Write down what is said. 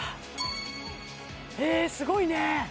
へえすごいね！